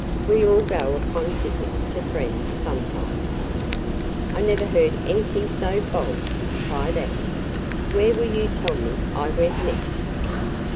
We all go upon visits to friends sometimes." "I never heard anything so bold!" cried Afy. "Where will you tell me I went next?"